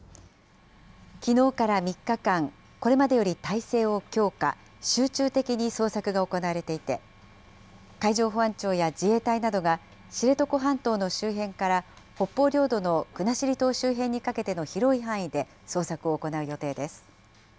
きのうから３日間、これまでより態勢を強化、集中的に捜索が行われていて、海上保安庁や自衛隊などが、知床半島の周辺から北方領土の国後島周辺にかけての広い範囲で捜索を行う予定です。